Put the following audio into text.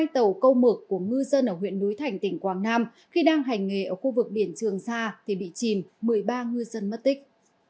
hai tàu câu mực của ngư dân ở huyện núi thành tỉnh quảng nam khi đang hành nghề ở khu vực biển trường sa thì bị chìm một mươi ba ngư dân mất tích